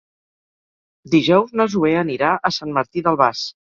Dijous na Zoè anirà a Sant Martí d'Albars.